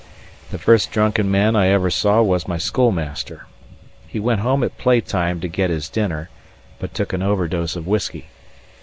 The first drunken man I ever saw was my schoolmaster. He went home at playtime to get his dinner, but took an overdose of whiskey.